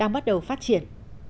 và phát triển